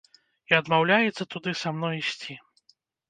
І адмаўляецца туды са мной ісці.